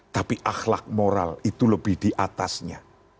tapi akhlak moral itu lebih di atasnya